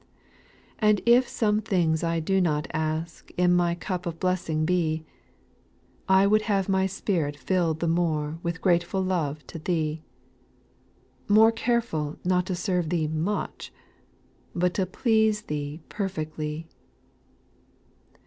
/ 6. / And if some things I do not ask In my cup of blessing be, I would have my spirit fiU'd the more AVith grateful love to Thee ; More carfeful not to serve Thee much^ But to please Thee perfectly.